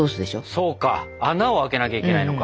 そうか穴を開けなきゃいけないのか。